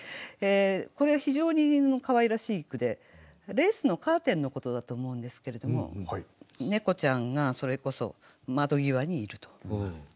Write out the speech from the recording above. これ非常にかわいらしい句でレースのカーテンのことだと思うんですけれども猫ちゃんがそれこそ窓際にいると。